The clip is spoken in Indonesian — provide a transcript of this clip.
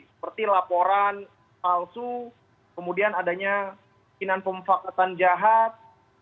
seperti laporan palsu kemudian adanya kemungkinan pemfakatan jahat